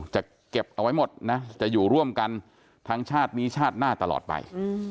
จะเก็บเอาไว้หมดนะจะอยู่ร่วมกันทั้งชาตินี้ชาติหน้าตลอดไป